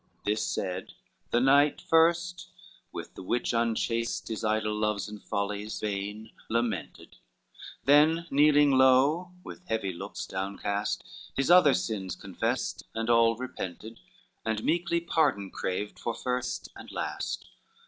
IX This said, the knight first with the witch unchaste His idle loves and follies vain lamented; Then kneeling low with heavy looks downcast, His other sins confessed and all repented, And meekly pardon craved for first and last.